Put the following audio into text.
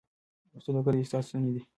سوداګر د اقتصاد ستني دي.